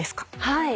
はい。